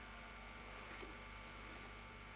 tapi dia juga tidak pernah mengetahui hubungan dia dengan anaknya